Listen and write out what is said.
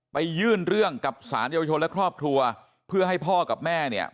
ยื่นเรื่องกับสารเยาวชนและครอบครัวเพื่อให้พ่อกับแม่เนี่ย